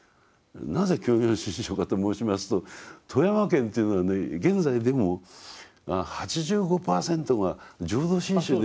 なぜ「教行信証」かと申しますと富山県っていうのはね現在でも８５％が浄土真宗で行われてるそんな土地柄なんですよ。